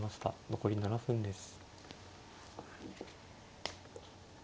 残り７分です。